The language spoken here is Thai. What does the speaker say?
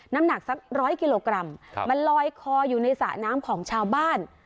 น้ำหนักสักร้อยกิโลกรัมมันลอยคออยู่ในสระน้ำของชาวบ้าน